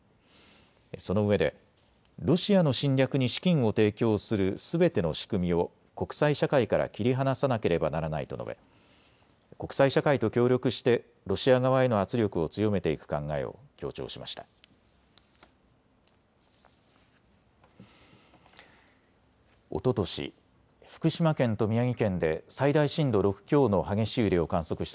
そのうえでロシアの侵略に資金を提供するすべての仕組みを国際社会から切り離さなければならないと述べ国際社会と協力してロシア側への圧力を強めていく考えを強調しました。